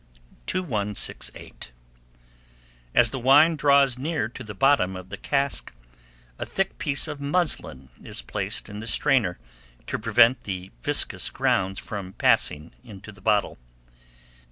2168. As the wine draws near to the bottom of the cask, a thick piece of muslin is placed in the strainer, to prevent the viscous grounds from passing into the bottle.